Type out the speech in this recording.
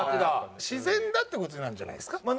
自然だって事なんじゃないですか？